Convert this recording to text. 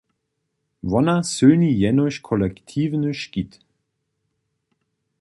Wona sylni jenož kolektiwny škit.